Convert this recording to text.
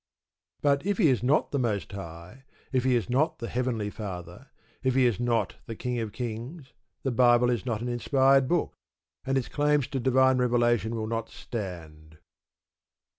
But if He is not the Most High, if He is not the Heavenly Father, if He is not the King of kings, the Bible is not an inspired book, and its claims to divine revelation will not stand.